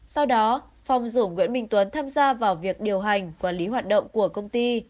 sau đó phong rủ nguyễn minh tuấn tham gia vào việc điều hành quản lý hoạt động của công ty